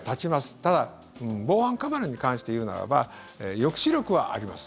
ただ防犯カメラに関して言うなら抑止力はあります。